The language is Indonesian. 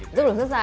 itu belum selesai